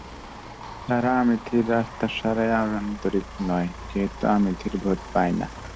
তারা আমেথির রাস্তা সারাইয়ে আন্তরিক নয়, যেহেতু আমেথির ভোট পায় না।